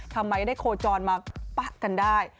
ทำไมได้โคจรมาปะกันได้